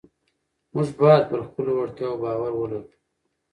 موږ باید پر خپلو وړتیاوو باور ولرو